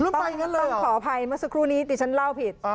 ต้องขออภัยเมื่อสักครู่นี้ติฉันเล่าผิด